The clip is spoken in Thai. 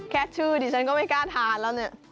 แค่ชื่อดิฉันก็ไม่กล้าทานแล้วเนี่ย